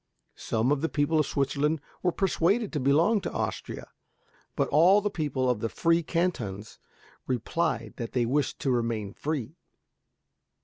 Some of the people of Switzerland were persuaded to belong to Austria, but all the people of the free cantons replied that they wished to remain free.